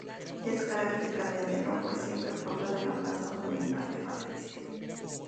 Este carácter cambiante no fue siempre propio de la Plaza Monumental de Valencia.